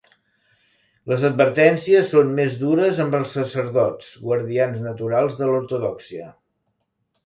Les advertències són més dures amb els sacerdots, guardians naturals de l'ortodòxia.